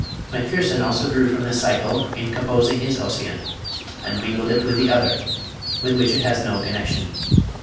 Macpherson also drew from this Cycle in composing his Ossian, and mingled it with the other, with which it has no connection.